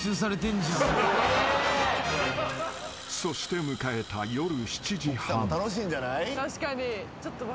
［そして迎えた夜７時半］